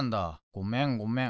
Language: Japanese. ごめんごめん。